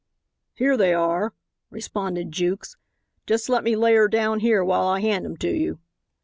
"Here they are," responded Jukes; "just let me lay her down here while I hand 'em to you."